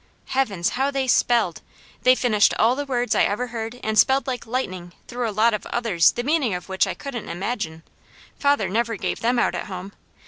Heavens, how they spelled! They finished all the words I ever heard and spelled like lightning through a lot of others the meaning of which I couldn't imagine. Father never gave them out at home.